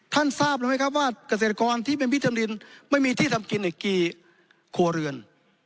ท่านทราบไหมครับว่าเกษตรกรที่เป็นพี่ทำรินไม่มีที่ทำกินในกี่ครัวเรือน